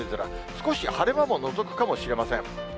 少し晴れ間ものぞくかもしれません。